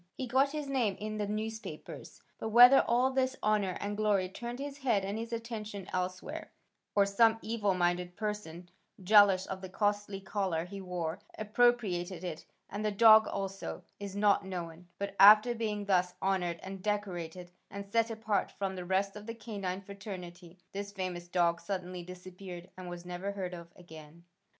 He got his name in the newspapers, but whether all this honor and glory turned his head and his attention elsewhere, or some evil minded person, jealous of the costly collar he wore, appropriated it and the dog also, is not known, but after being thus honored and decorated and set apart from the rest of the canine fraternity, this famous dog suddenly disappeared and was never heard of again.